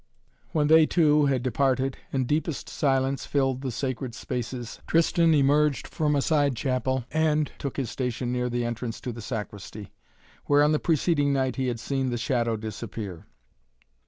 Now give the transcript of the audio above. When they, too, had departed, and deepest silence filled the sacred spaces, Tristan emerged from a side chapel and took his station near the entrance to the sacristy, where, on the preceding night, he had seen the shadow disappear.